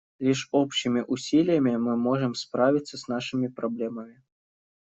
Лишь общими усилиями мы можем справиться с нашими проблемами.